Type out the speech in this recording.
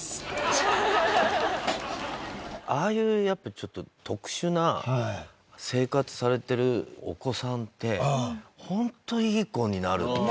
ああいうやっぱちょっと特殊な生活されてるお子さんって本当いい子になるっていう。